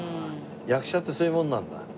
役者ってそういうもんなんだ？